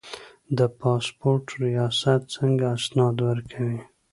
د پاسپورت ریاست څنګه اسناد ورکوي؟